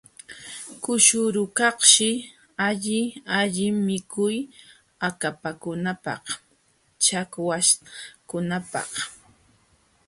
Kushurukaqshi alli allin mikuy akapakunapaq chakwaśhkunapaq.